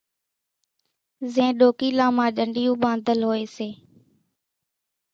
زين ڏوڪيلان مان جنڍيون ٻاندل ھوئي سي